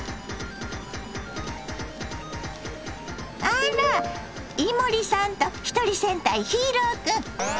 あら伊守さんとひとり戦隊ヒーロー君。